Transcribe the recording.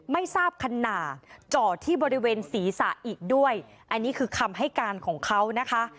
ไม่ทราบขนาดจอดที่บริเวณศีรษะอีกด้วยอันนี้คือคำให้การของเขานะคะ